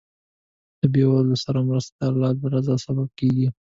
له بېوزلو سره مرسته د الله د رضا سبب کېږي.